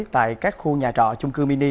tại các khu nhà trọ chung cư mini